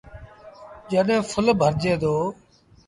جڏيݩ ڦل ڀرجي دو۔